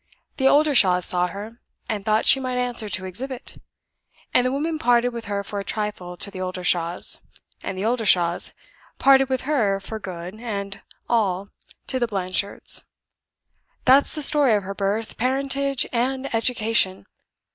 The Oldershaws saw her, and thought she might answer to exhibit; and the woman parted with her for a trifle to the Oldershaws; and the Oldershaws parted with her for good and all to the Blanchards. That's the story of her birth, parentage, and education!